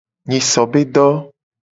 Nyiso be do.